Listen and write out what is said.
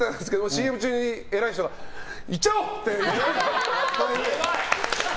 ＣＭ中に、偉い人がいっちゃおう！って。